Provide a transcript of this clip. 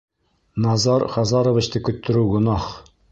Назар Хазаровичты көттөрөү гонаһ!